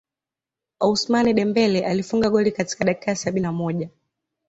Ousmane Dembele alifunga goli katika dakika ya sabini na moja